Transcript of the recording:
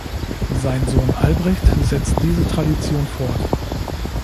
Sein Sohn Albrecht setzt diese Tradition fort.